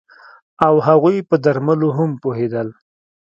او هغوی په درملو هم پوهیدل